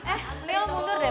eh liat lo mundur deh